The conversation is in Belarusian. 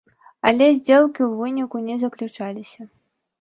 Але здзелкі ў выніку не заключаліся.